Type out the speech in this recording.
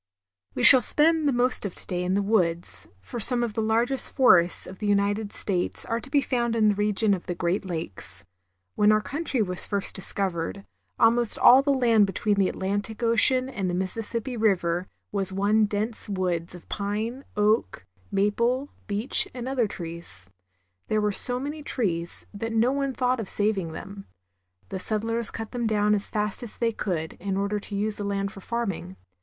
WE shall spend the most of to day in the woods, for some of the largest forests of the United States are to be found in the region of the Great Lakes. When our country was first discovered, almost all the land between THE FORESTS. 185 the Atlantic Ocean and the Mississippi River was one dense woods of pine, oak, maple, beech, and other trees. There were so many trees that no one thought of saving them. The settlers cut them down as fast as they could, in order Lumbering. to use the land for farming.